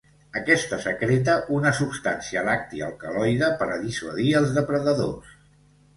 Aquesta secreta una substància làctia alcaloide per a dissuadir els depredadors.